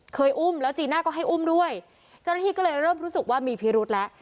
อุ้มแล้วจีน่าก็ให้อุ้มด้วยเจ้าหน้าที่ก็เลยเริ่มรู้สึกว่ามีพิรุษแล้ว